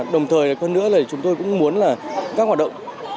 đồng thời hơn nữa là chúng tôi cũng muốn là các hoạt động